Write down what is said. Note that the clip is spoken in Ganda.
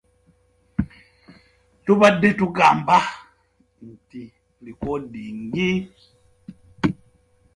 Omuntu eyeekubagiza abeera wa bulabe.